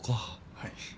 はい。